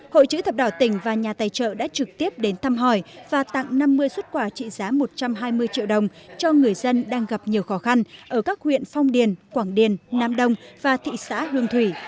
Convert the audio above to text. hội chữ thập đỏ tỉnh và nhà tài trợ đã trực tiếp đến thăm hỏi và tặng năm mươi xuất quà trị giá một trăm hai mươi triệu đồng cho người dân đang gặp nhiều khó khăn ở các huyện phong điền quảng điền nam đông và thị xã hương thủy